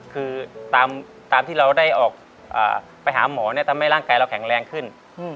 คือตามที่เราได้ออกไปหาหมอทำให้ร่างกายเราแข็งแรงขึ้น